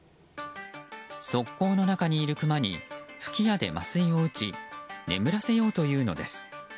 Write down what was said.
側溝の中にいるクマに吹き矢で麻酔を打ち眠らせようというのです。